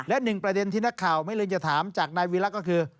และหนึ่งประเด็นที่นักข่าวไม่ลืมจะถามจากนายวีรักษ์ก็คือ